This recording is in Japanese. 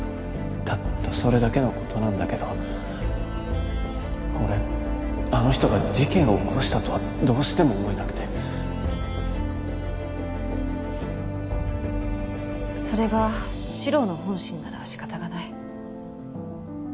たったそれだけの事なんだけど俺あの人が事件を起こしたとはどうしても思えなくてそれが獅郎の本心なら仕方がない。